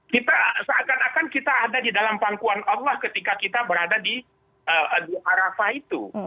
kita seakan akan kita ada di dalam pangkuan allah ketika kita berada di arafah itu